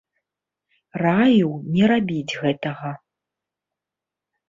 Раіў не рабіць гэтага.